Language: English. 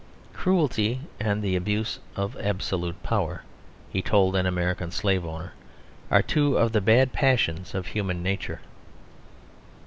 "Cruelty and the abuse of absolute power," he told an American slave owner, "are two of the bad passions of human nature."